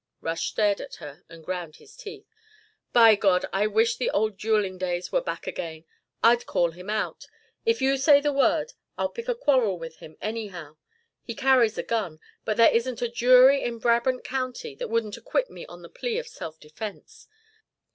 Rush stared at her and ground his teeth. "By God! I wish the old duelling days were back again. I'd call him out. If you say the word I'll pick a quarrel with him anyhow. He carries a gun, and there isn't a jury in Brabant County that wouldn't acquit me on the plea of self defence.